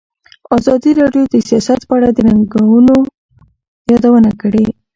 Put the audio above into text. ازادي راډیو د سیاست په اړه د ننګونو یادونه کړې.